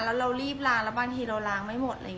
แล้วเรารีบล้างแล้วบางทีเราล้างไม่หมด